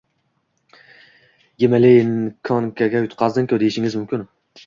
Yemeleyanenkoga yutqazganku deyishingiz mumkin.